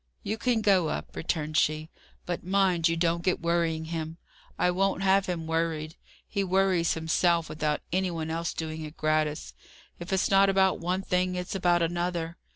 "You can go up," returned she; "but mind you don't get worrying him. I won't have him worried. He worries himself, without any one else doing it gratis. If it's not about one thing, it's about another.